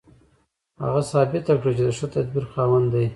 هغه ثابته کړه چې د ښه تدبیر خاوند دی